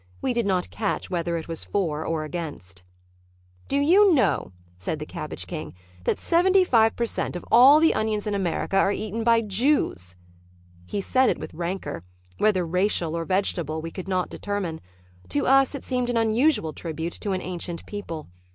We did not catch whether it was for or against. "Do you know," said the cabbage king, "that 75 per cent. of all the onions in America are eaten by Jews?" He said it with rancor, whether racial or vegetable we could not determine. To us it seemed an unusual tribute to an ancient people.